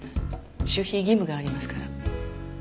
守秘義務がありますから。